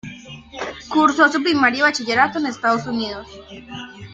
Cursó su primaria y bachillerato en Estados Unidos.